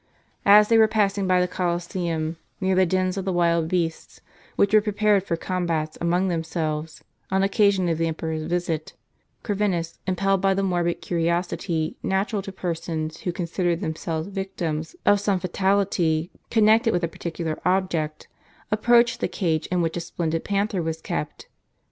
As they were passing by the Coliseum, near the dens of the wild beasts, which were pre pared for combats among themselves, on occasion of the emperor's visit, Corvinus, impelled by the morbid curiosity natural to persons who consider themselves victims of some fatality, connected with a particular object, approached the cage in which a splendid panther was kept.